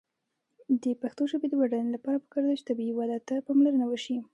د پښتو ژبې د بډاینې لپاره پکار ده چې طبیعي وده ته پاملرنه وشي.